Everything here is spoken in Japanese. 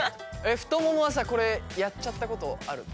ふとももはさこれやっちゃったことあるの？